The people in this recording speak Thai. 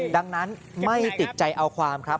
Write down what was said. ดังนั้นไม่ติดใจเอาความครับ